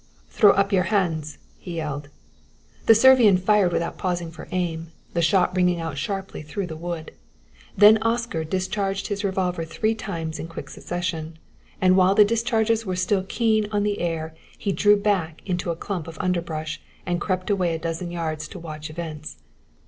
"Throw up your hands," he yelled. The Servian fired without pausing for aim, the shot ringing out sharply through the wood. Then Oscar discharged his revolver three times in quick succession, and while the discharges were still keen on the air he drew quickly back to a clump of underbrush, and crept away a dozen yards to watch events.